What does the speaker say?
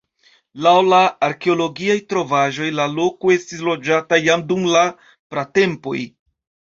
Laŭ la arkeologiaj trovaĵoj la loko estis loĝata jam dum la pratempoj.